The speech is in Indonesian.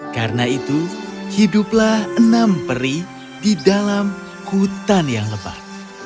karena itu hiduplah enam peri di dalam hutan yang lebat